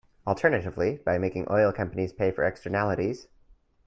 Alternatively, by making oil companies pay for externalities.